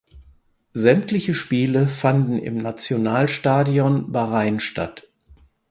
Sämtliche Spiele fanden im Nationalstadion Bahrain statt.